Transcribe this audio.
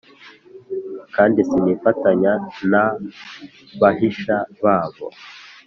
Kandi sinifatanya n’ abahisha babo